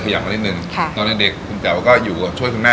ขยับอันนิดหนึ่งค่ะตอนยังเด็กคุณแก๋วก็อยู่อ่ะช่วยคุณแม่